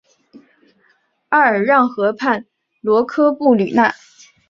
阿尔让河畔罗科布吕讷。